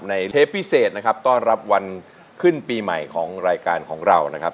เทปพิเศษนะครับต้อนรับวันขึ้นปีใหม่ของรายการของเรานะครับ